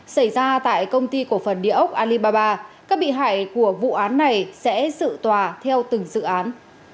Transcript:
xảy ra tại công ty cổ phần địa ốc alibaba các bị hại của vụ án này sẽ sự tòa theo từng dự án